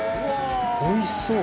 「おいしそう！」